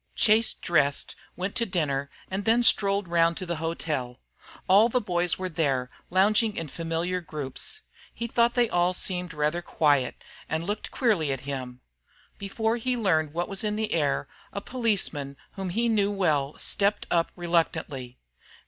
Chase dressed, went to dinner, and then strolled round to the hotel. All the boys were there lounging in familiar groups. He thought they all seemed rather quiet and looked queerly at him. Before he could learn what was in the air a policeman whom he knew well stepped up reluctantly.